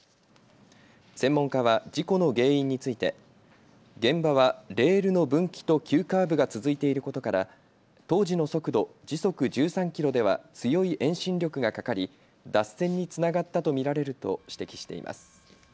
専門家は事故の原因について現場はレールの分岐と急カーブが続いていることから当時の速度、時速１３キロでは強い遠心力がかかり脱線につながったと見られると指摘しています。